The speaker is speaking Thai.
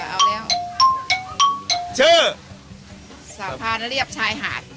เอาแล้วชื่อสะพานเรียบชายหาด